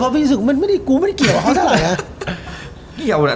เพราะพี่ศึกมันไม่ได้กูไม่เกี่ยวเขาเท่าไรอ่ะเกี่ยวแหละ